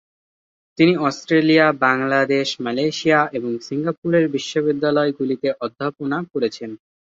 তিনি Australia, Bangladesh, Malaysia এবং সিঙ্গাপুরের বিশ্ববিদ্যালয়গুলিতে অধ্যাপনা করেছেন।